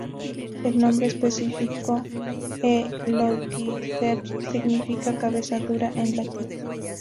El nombre específico "E. longiceps" significa "cabeza dura" en latín.